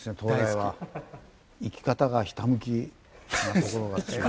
生き方がひたむきなところが好きですね。